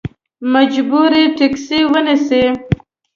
مجبور یې ټیکسي ونیسې.